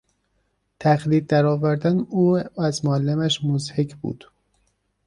تقلید درآوردن او از معلمش مضحک بود.